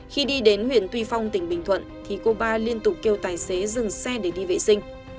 khi đi đến huyện tuy phong tỉnh bình thuận thì cô ba liên tục kêu tài xế dừng xe để đi vệ sinh